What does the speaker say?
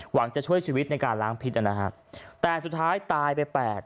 จะช่วยชีวิตในการล้างพิษนะฮะแต่สุดท้ายตายไปแปด